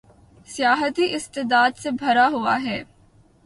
سیاحتی استعداد سے بھرا ہوا ہے